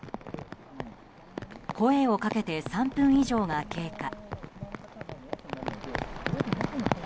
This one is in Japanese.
声をかけて３分以上が経過。